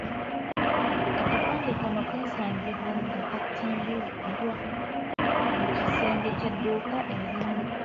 Akapande kano kaasangibwa nga katimbiddwa mu kisenge ky'edduuka erimu.